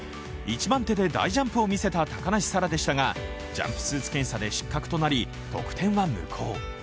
１番手で大ジャンプを見せた高梨沙羅でしたが、ジャンプスーツ検査で失格となり、得点は無効。